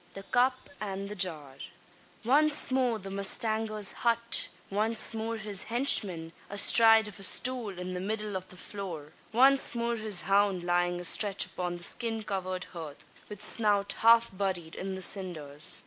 THE CUP AND THE JAR. Once more the mustanger's hut! Once more his henchman, astride of a stool in the middle of the floor! Once more his hound lying astretch upon the skin covered hearth, with snout half buried in the cinders!